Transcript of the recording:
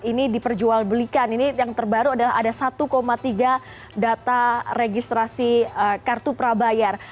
ini diperjualbelikan ini yang terbaru adalah ada satu tiga data registrasi kartu prabayar